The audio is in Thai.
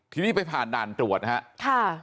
ทีนี้ไปผ่านด่านตรวจนะครับ